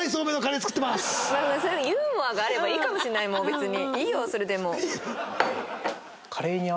そういうユーモアがあればいいかもしれないもう別に。